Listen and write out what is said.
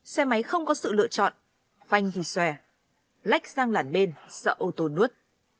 xe máy không có sự lựa chọn phanh thì xòe lách sang làn bên sợ ô tô nuốt